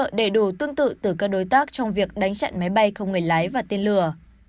hỗ trợ đầy đủ tương tự từ các đối tác trong việc đánh chặn máy bay không người lái và tiên lửa